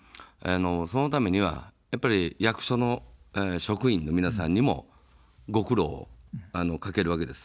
そのためにはやっぱり役所の職員の皆さんにもご苦労をかけるわけです。